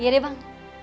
iya deh bang